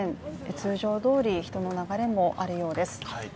通常どおり人の流れもあるようです。